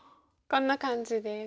こんな感じです。